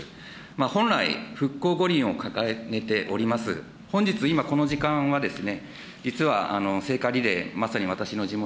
本来、復興五輪を掲げております、本日今この時間は、実は聖火リレー、まさに私の地元、